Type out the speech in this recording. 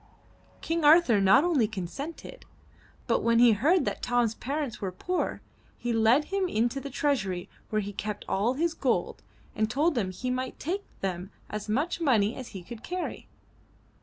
King Arthur not only consented, but when he heard that Tom's parents were poor, he led him into the treasury where he kept all his gold and told him he might take them as much money as he could carry.